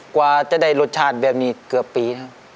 กว่าจะได้รสชาติแบบนี้เกือบปีแล้ว